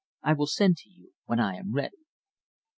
I will send to you when I am ready."